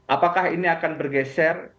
apakah ini akan bergeser